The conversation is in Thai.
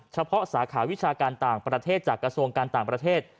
สาขาวิชาการต่างประเทศจากกระทรวงการต่างประเทศ